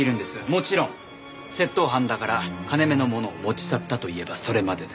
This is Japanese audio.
もちろん窃盗犯だから金目のものを持ち去ったといえばそれまでですが。